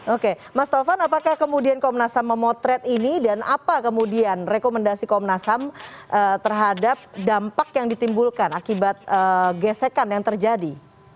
oke mas taufan apakah kemudian komnas ham memotret ini dan apa kemudian rekomendasi komnas ham terhadap dampak yang ditimbulkan akibat gesekan yang terjadi